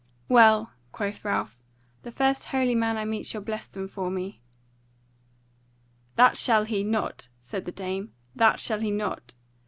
"Well," quoth Ralph, "the first holy man I meet shall bless them for me." "That shall he not," said the dame, "that shall he not.